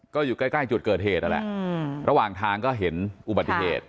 ก็อยู่ใกล้ใกล้จุดเกิดเหตุนั่นแหละระหว่างทางก็เห็นอุบัติเหตุ